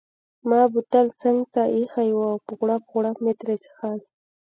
ما بوتل څنګته ایښی وو او په غوړپ غوړپ مې ترې څیښل.